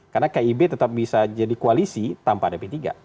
karena kib tetap bisa jadi koalisi tanpa ada p tiga